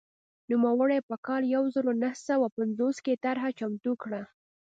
نوموړي په کال یو زر نهه سوه پنځوس کې طرحه چمتو کړه.